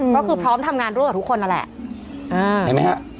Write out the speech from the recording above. ก็คือพร้อมทำงานด้วยกับทุกคนนั่นแหละ